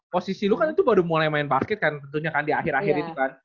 posisi lu kan itu baru mulai main basket kan tentunya kan di akhir akhir itu kan